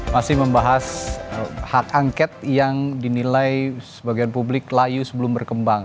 masih membahas hak angket yang dinilai sebagian publik layu sebelum berkembang